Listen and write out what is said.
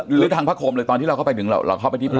หรือทางพระคมเลยตอนที่เราเข้าไปถึงเราเข้าไปที่พระ